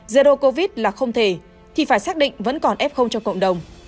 zero covid là không thể thì phải xác định vẫn còn f cho cộng đồng